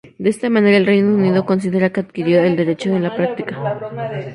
De esta manera, el Reino Unido considera que adquirió el derecho en la práctica.